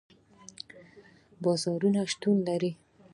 بازار شتون لري